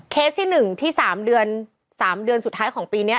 เคสที่หนึ่งที่สามเดือนสุดท้ายของปีนี้